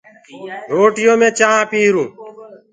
روٽيو مين چآنه پيهرون